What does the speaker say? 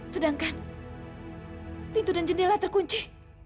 sedangkan pintu dan jendela terkunci